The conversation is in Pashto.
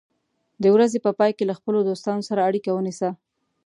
د ورځې په پای کې له خپلو دوستانو سره اړیکه ونیسه.